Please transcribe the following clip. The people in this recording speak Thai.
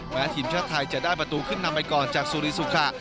ทีมชาติไทยจะได้ประตูขึ้นนำไปก่อนจากสุริสุขะ